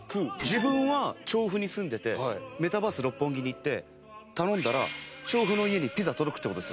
自分は調布に住んでてメタバース六本木に行って頼んだら調布の家にピザ届くって事ですよね？